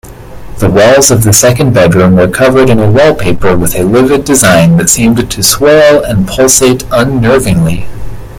The walls of the second bedroom were covered in a wallpaper with a livid design that seemed to swirl and pulsate unnervingly.